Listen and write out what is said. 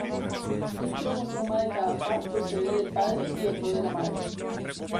Un cromosoma de cada par procede del padre y otro de la madre.